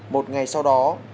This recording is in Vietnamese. một ngày sau đó